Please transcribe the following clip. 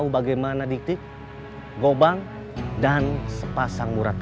lagi ada masalah